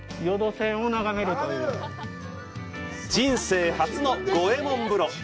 人生初の五右衛門風呂！